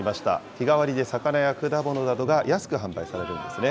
日替わりで魚や果物などが安く販売されるんですね。